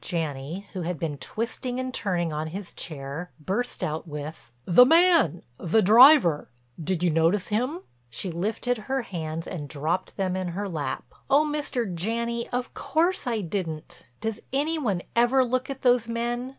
Janney, who had been twisting and turning on his chair, burst out with: "The man—the driver—did you notice him?" She lifted her hands and dropped them in her lap. "Oh, Mr. Janney, of course I didn't. Does any one ever look at those men?